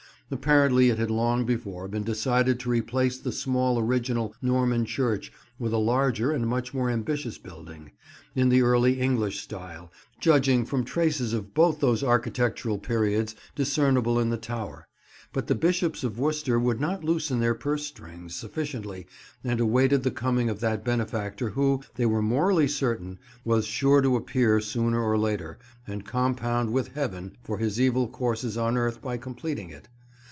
Apparently it had long before been decided to replace the small original Norman church with a larger and much more ambitious building, in the Early English style, judging from traces of both those architectural periods discernable in the tower; but the Bishops of Worcester would not loosen their purse strings sufficiently, and awaited the coming of that benefactor who, they were morally certain, was sure to appear sooner or later and compound with Heaven for his evil courses on earth by completing it.